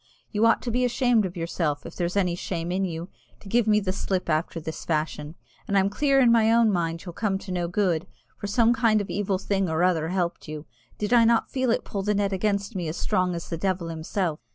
You ought to be ashamed of yourself, if there's any shame in you, to give me the slip after this fashion! And I'm clear in my own mind you'll come to no good, for some kind of evil thing or other helped you did I not feel it pull the net against me as strong as the devil himself?"